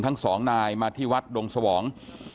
ทั้งสองนายมาที่วัดดงสวอง